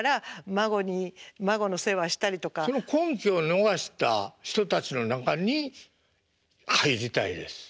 その婚期を逃した人たちの中に入りたいです。